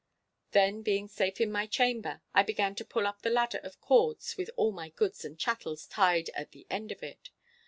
Then being safe in my chamber, I began to pull up the ladder of cords with all my goods and chattels tied at the end of it.